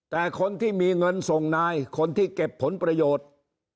แต่คนที่มีเงินส่งนายคนที่เก็บผลประโยชน์